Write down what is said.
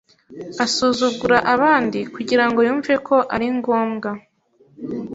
Asuzugura abandi kugirango yumve ko ari ngombwa.